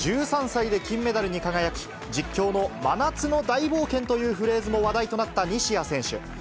１３歳で金メダルに輝き、実況の真夏の大冒険というフレーズも話題となった西矢選手。